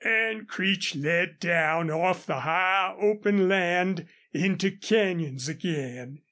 And Creech led down off the high open land into canyons again.